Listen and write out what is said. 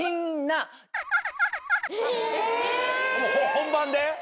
本番で？